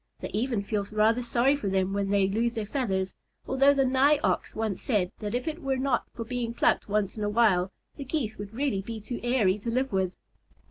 They even feel rather sorry for them when they lose their feathers, although the Nigh Ox once said that if it were not for being plucked once in a while, the Geese would really be too airy to live with.